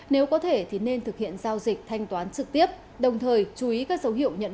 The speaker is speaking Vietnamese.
nếu có thể thì nên thực hiện giao dịch thanh toán trực tiếp đồng thời chú ý các dấu hiệu nhận